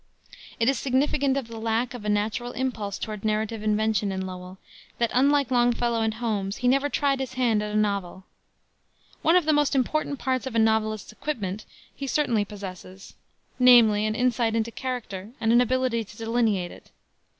It is significant of the lack of a natural impulse toward narrative invention in Lowell, that, unlike Longfellow and Holmes, he never tried his hand at a novel. One of the most important parts of a novelist's equipment he certainly possesses; namely, an insight into character, and an ability to delineate it.